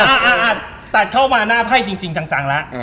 อ่าอ่าอ่าตัดเข้ามาหน้าเวลาจริงจังอะ